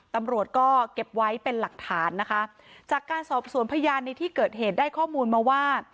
ตำรวจก็เก็บไว้เป็นหลักฐานนะคะจากการสอบสวนพยานในที่เกิดเหตุได้ข้อมูลมาว่า